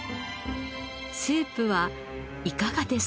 スープはいかがですか？